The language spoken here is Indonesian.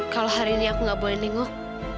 kalau hari ini aku nggak boleh nengok